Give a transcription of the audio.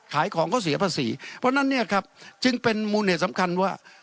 ขายของก็เสียภาษีเพราะฉะนั้นเนี่ยครับจึงเป็นมูลเหตุสำคัญว่า